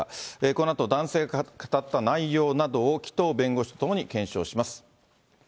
このあと、男性が語った内容などを紀藤弁護士とともに検証します。